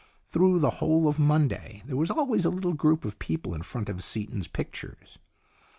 Through the whole of Monday there was always a little group of people in front of Seaton's pictures.